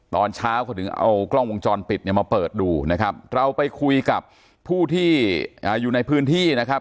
ตอนเช้าเขาถึงเอากล้องวงจรปิดเนี่ยมาเปิดดูนะครับเราไปคุยกับผู้ที่อยู่ในพื้นที่นะครับ